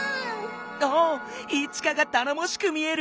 おおっイチカがたのもしく見える。